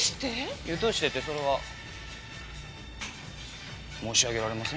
いやどうしてってそれは。申し上げられません。